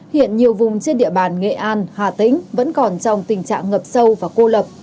hiện nhiều vùng trên địa bàn nghệ an hà tĩnh vẫn còn trong tình trạng ngập sâu và cô lập